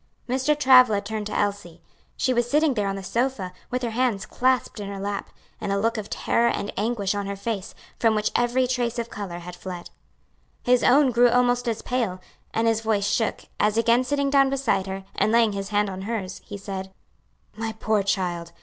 Mr. Travilla turned to Elsie. She was sitting there on the sofa, with her hands clasped in her lap, and a look of terror and anguish on her face, from which every trace of color had fled. His own grew almost as pale, and his voice shook, as again sitting down beside her, and laying his hand on hers, he said, "My poor child!